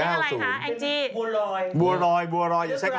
อังกฤษอะไรคะแองจี